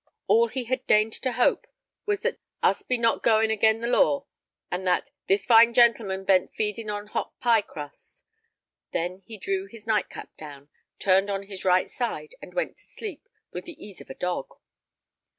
All he had deigned to hope was that "us be not goin' agen the law," and that "this fine gentleman ben't feedin' on hot pie crust." Then he drew his nightcap down, turned on his right side, and went to sleep with the ease of a dog.